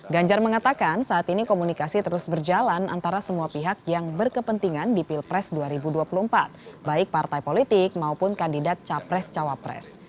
ganjar mengatakan saat ini komunikasi terus berjalan antara semua pihak yang berkepentingan di pilpres dua ribu dua puluh empat baik partai politik maupun kandidat capres cawapres